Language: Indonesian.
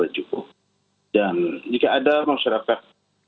dan jika ada masyarakat yang ingin memiliki kekuatan yang lebih baik